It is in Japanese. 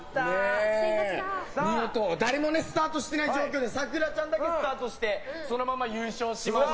見事誰もスタートしてない状況でさくらちゃんだけがスタートしてそのまま優勝しました。